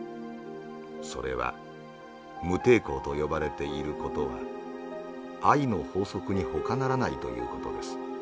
それは『無抵抗』と呼ばれている事は愛の法則にほかならないという事です。